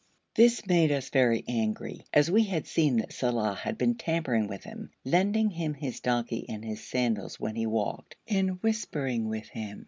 This made us very angry, as we had seen that Saleh had been tampering with him, lending him his donkey and his sandals when he walked, and whispering with him.